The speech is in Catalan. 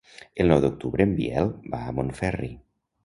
El nou d'octubre en Biel va a Montferri.